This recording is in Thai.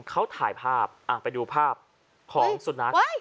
เขาถ่ายภาพไปดูภาพของสุนัข